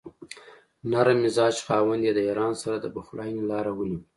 نرم مزاج خاوند یې د ایران سره د پخلاینې لاره ونیوله.